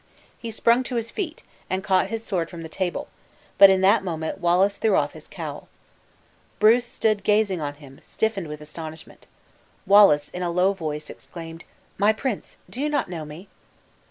He sprung to his feet, and caught his sword from the table; but, in that moment, Wallace threw off his cowl. Bruce stood gazing on him, stiffened with astonishment. Wallace, in a low voice, exclaimed, "My prince! do you not know me?"